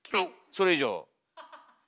それ以上。